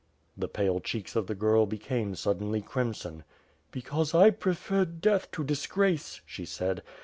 The pale cheeks of the girl became suddenly crimson. "Because I preferred death to disgrace," she said.